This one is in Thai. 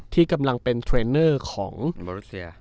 ที่กำลังเป็นเทรนเนอร์ของมาริเซีย